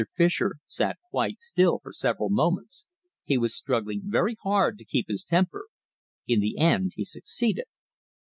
Fischer sat quite still for several moments. He was struggling very hard to keep his temper. In the end he succeeded.